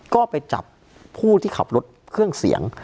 ก็ไปจับผู้ที่ขับรถเครื่องเสียง